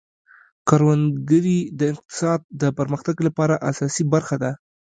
کروندګري د اقتصاد د پرمختګ لپاره اساسي برخه ده.